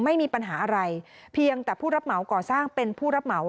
ไม่มีปัญหาอะไรเพียงแต่ผู้รับเหมาก่อสร้างเป็นผู้รับเหมา